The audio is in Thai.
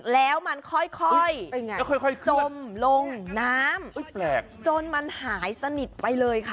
แล้วมันค่อยจมลงน้ำจนมันหายสนิทไปเลยค่ะ